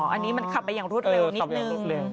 อันนี้มันขับไปอย่างรวดเร็วนิดนึง